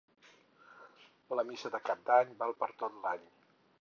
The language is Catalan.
La missa de Cap d'Any val per tot l'any.